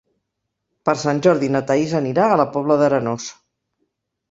Per Sant Jordi na Thaís anirà a la Pobla d'Arenós.